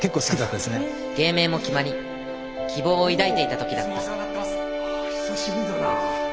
芸名も決まり希望を抱いていた時だったああ久しぶりだな。